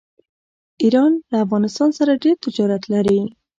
ایران له افغانستان سره ډیر تجارت لري.